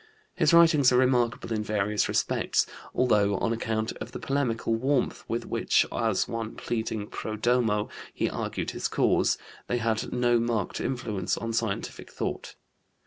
His writings are remarkable in various respects, although, on account of the polemical warmth with which, as one pleading pro domo, he argued his cause, they had no marked influence on scientific thought.